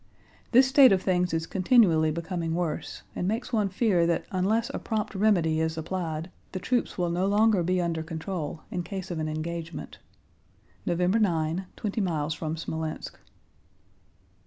This state of things is continually becoming worse and makes one fear that unless a prompt remedy is applied the troops will no longer be under control in case of an engagement. November 9: twenty miles from Smolénsk.